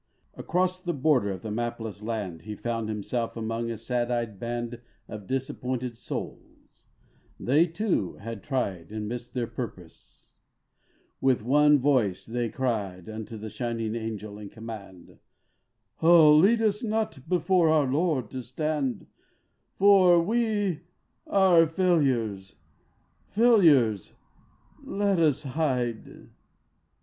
Across the border of the mapless land He found himself among a sad eyed band Of disappointed souls; they, too, had tried And missed their purpose. With one voice they cried Unto the shining Angel in command: 'Oh, lead us not before our Lord to stand, For we are failures, failures! Let us hide.